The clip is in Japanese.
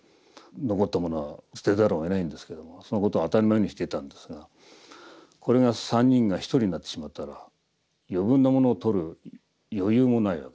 残ったものは捨てざるをえないんですけどもそのことを当たり前のようにしていたんですがこれが３人が１人になってしまったら余分なものを採る余裕もないわけですね。